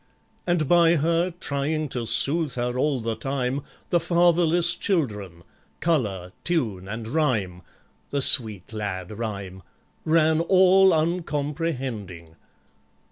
And by her, trying to soothe her all the time, The fatherless children, COLOUR, TUNE, and RHYME (The sweet lad RHYME), ran all uncomprehending.